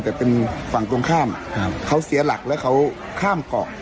แต่เป็นฝั่งตรงข้ามครับเขาเสียหลักแล้วเขาข้ามเกาะ